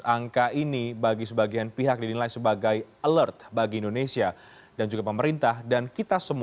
angka ini bagi sebagian pihak dinilai sebagai alert bagi indonesia dan juga pemerintah dan kita semua